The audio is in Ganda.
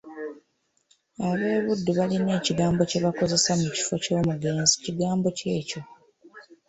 "Ab'e Buddu balina ekigambo kye bakozesa mu kifo kya “omugenzi”, kigambo ki ekyo?"